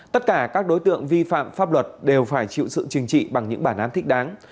tất cả các đối tượng vi phạm pháp luật đều phải chịu sự chừng trị bằng những bản án thích đáng